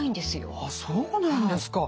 あっそうなんですか。